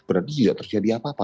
berarti tidak terjadi apa apa